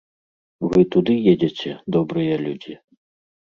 Вы туды едзеце, добрыя людзі?